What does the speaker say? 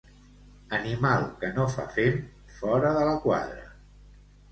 Animal que no fa fem, fora de la quadra.